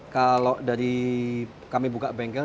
kalau dari kami buka bengkel